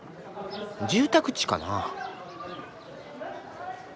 住宅地かな。